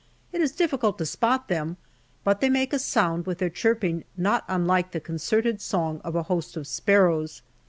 It is difficult to spot them, but they make a sound with their chirping not unlike the concerted song of a host of sparrows.